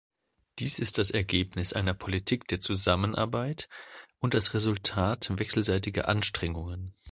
Dies ist das Ergebnis einer Politik der Zusammenarbeit und das Resultat wechselseitiger Anstrengungen.